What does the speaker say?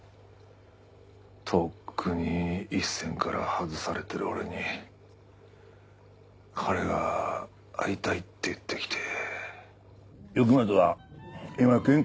とっくに一線から外されてる俺に彼が会いたいって言って来て。